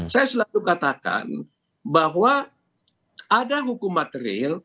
saya selalu katakan bahwa ada hukum materil